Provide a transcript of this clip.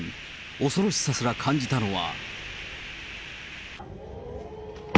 恐ろしさすら感じたのは。